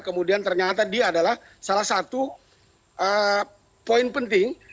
kemudian ternyata dia adalah salah satu poin penting